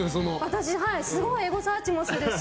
私、すごいエゴサーチもするし。